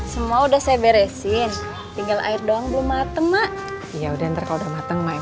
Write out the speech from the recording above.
semua udah saya beresin tinggal air doang belum matem mak ya udah ntar kalau udah mateng main